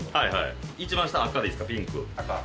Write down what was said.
一番下、赤です、ピンク。